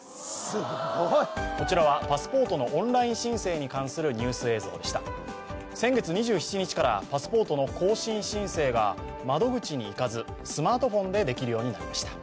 すごいこちらはパスポートのオンライン申請に関するニュース映像でした先月２７日からパスポートの更新申請が窓口に行かずスマートフォンでできるようになりました